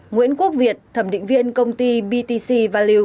chín nguyễn quốc việt thẩm định viên công ty btc values